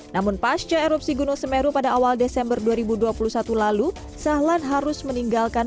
namun pasca erupsi gunung semeru pada awal desember dua ribu dua puluh satu lalu sahlan harus meninggalkan